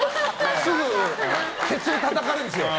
すぐけつをたたかれるんですよ。